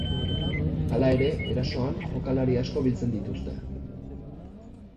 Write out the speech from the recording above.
Hala ere, erasoan jokalari asko biltzen diuzte.